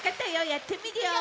やってみるよ。